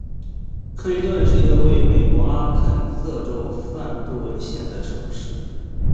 克林顿是一个位于美国阿肯色州范布伦县的城市。